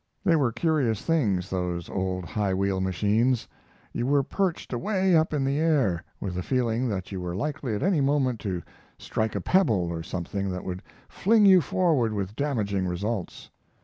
They were curious things, those old high wheel machines. You were perched away up in the air, with the feeling that you were likely at any moment to strike a pebble or something that would fling you forward with damaging results.